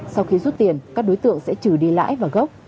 sau khi rút tiền các đối tượng sẽ trừ đi lãi và gốc